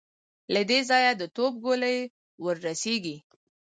له دې ځايه د توپ ګولۍ ور رسېږي.